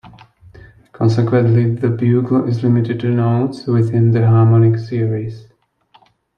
Consequently, the bugle is limited to notes within the harmonic series.